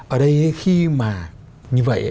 ở đây khi mà như vậy